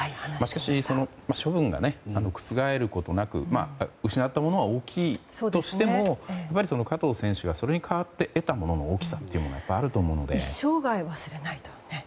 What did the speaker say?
しかし、処分が覆ることなく失ったものは大きいとしても加藤選手がそれに代わって得たものの大きさというのが一生涯忘れないと。